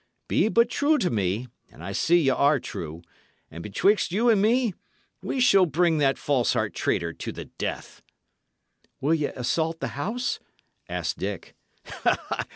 Be but true to me and I see y' are true and betwixt you and me, we shall bring that false heart traitor to the death." "Will ye assault the house?" asked Dick.